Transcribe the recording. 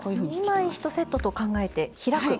２枚１セットと考えて開く。